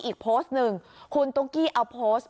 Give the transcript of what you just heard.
อีกโพสต์หนึ่งคุณตุ๊กกี้เอาโพสต์